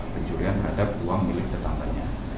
pencurian terhadap uang milik tetangganya